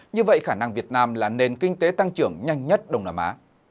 như vậy khả năng việt nam là nền kinh tế tăng trưởng nhanh nhất đông nam á